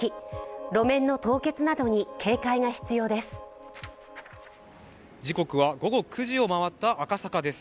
路面の凍結などに警戒が必要です。